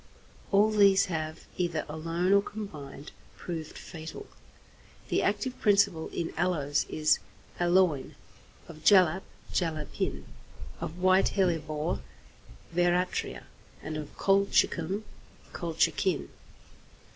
All these have, either alone or combined, proved fatal. The active principle in aloes is aloin; of jalap, jalapin; of white hellebore, veratria; and of colchicum, colchicin.